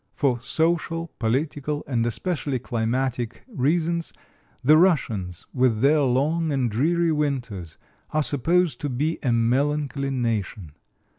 For social, political, and especially climatic reasons, the Russians, with their long and dreary winters, are supposed to be a melancholy nation.